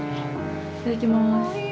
いただきます。